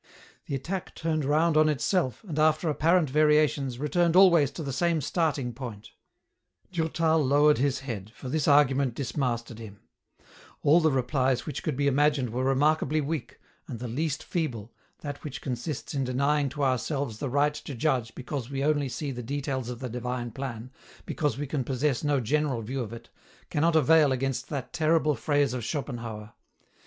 The attack turned round on itself, and after apparent variations, returned always to the same starting point, Durtal lowered his head, for this argument dismeisted him ; all the replies which could be imagined were remarkably weak, and the least feeble, that which consists in denying to ourselves the right to judge because we only see the details of the divine plan, because we can possess no general view of it, cannot avaU against that terrible phrase of Schopenhauer : EN ROUTE.